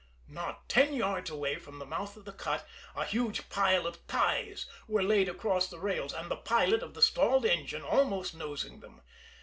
Not ten yards away from the mouth of the cut a huge pile of ties were laid across the rails, with the pilot of the stalled engine almost nosing them.